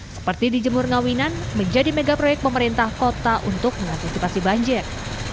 seperti dijemur ngawinan menjadi mega proyek pemerintah kota untuk mengantisipasi banjir